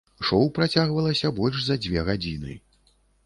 Шоў працягвалася больш за дзве гадзіны.